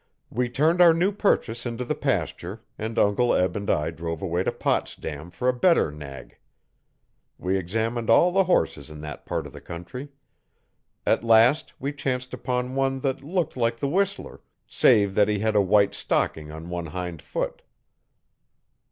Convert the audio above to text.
We turned our new purchase into the pasture, and Uncle Eb and I drove away to Potsdam for a better nag. We examined all the horses in that part of the country. At last we chanced upon one that looked like the whistler, save that he had a white stocking on one hind foot.